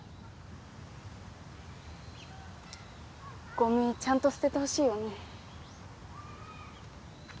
ゴミちゃんと捨ててほしいよね。